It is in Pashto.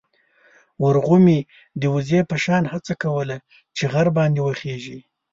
ورغومي د وزې په شان هڅه کوله چې غر باندې وخېژي.